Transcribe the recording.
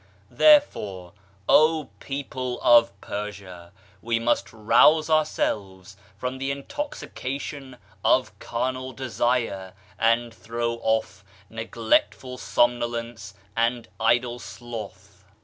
Therefore, O people of Persia, we must rouse ourselves from the intoxication of carnal desire, and throw off neglectful somnolence and idle sloth.